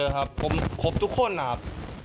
ครับผมครบทุกคนนะครับ